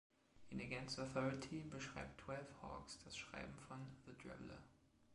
In „Against Authority“ beschreibt Twelve Hawks das Schreiben von „The Traveler“.